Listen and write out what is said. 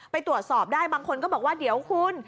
ไปตรวจสอบได้บางคนก็บอกว่าเดี๋ยวคุณ